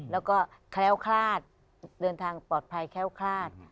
แล้วก็แคล้วคลาดเดินทางปลอดภัยแคล้วคลาด